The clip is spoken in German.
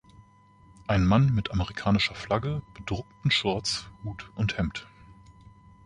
Ein Mann mit amerikanischer Flagge, bedruckten Shorts, Hut und Hemd.